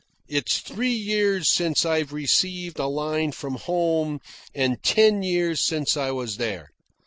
"It's three years since I've received a line from home and ten years since I was there.